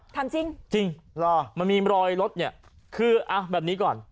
ทำจริงจริงเหรอมันมีรอยรถเนี่ยคือเอาแบบนี้ก่อน